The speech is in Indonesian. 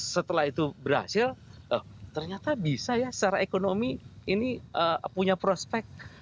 setelah itu berhasil ternyata bisa ya secara ekonomi ini punya prospek